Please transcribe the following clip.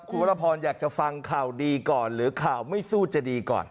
คุณวรพรอยากจะฟังข่าวดีก่อนหรือข่าวไม่สู้จะดีก่อน